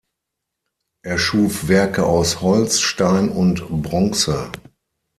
Er schuf Werke aus Holz, Stein und Bronze.